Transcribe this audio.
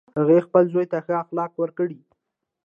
هغې خپل زوی ته ښه اخلاق ورکړی